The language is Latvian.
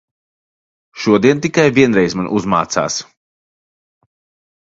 Šodien tikai vienreiz man uzmācās.